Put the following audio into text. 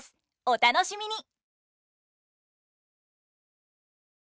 お楽しみに！